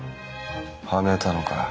はめたのか。